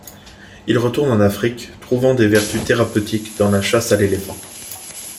Il retourne en Afrique, trouvant des vertus thérapeutiques dans la chasse à l'éléphant.